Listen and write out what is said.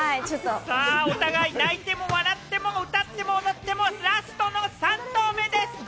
お互い、泣いても笑っても歌ってもラストの３投目です。